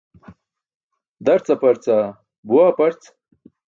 Darc aparca? Buwa aprc?